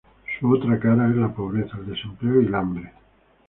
Su otra cara es la pobreza, el desempleo y el hambre.